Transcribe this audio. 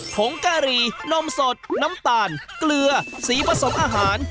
ผงกะหรี่นมสดน้ำตาลเกลือสีผสมอาหาร